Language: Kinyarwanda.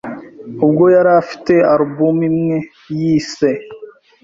ubwo yari afite alubumu imwe yise